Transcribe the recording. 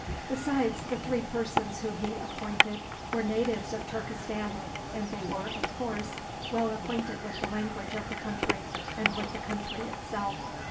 Besides, the three persons whom he appointed were natives of Turkestan, and they were, of course, well acquainted with the language of the country and with the country itself.